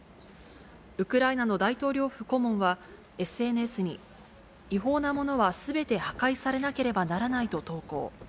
ウクライナの大統領府顧問はＳＮＳに、違法なものはすべて破壊されなければならないと投稿。